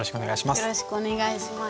よろしくお願いします。